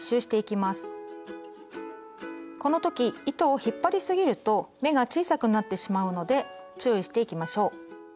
この時糸を引っ張りすぎると目が小さくなってしまうので注意していきましょう。